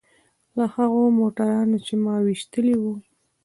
له هغو موټرانو چې ما ويشتلي وو.